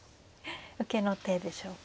受けの手でしょうか。